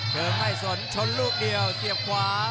เชิงไม่สนชนลูกเดียวเสียบขวา